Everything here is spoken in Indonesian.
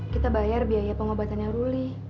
kita bayar biaya pengobatannya ruli